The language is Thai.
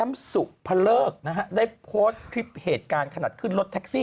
เราดูคลิปกันแสดงนิดหนึ่งไหม